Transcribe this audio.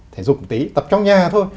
thể dục tí tập trong nhà thôi